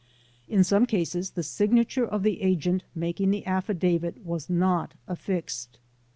In some cases the signature of the agent making the affidavit was not affixed.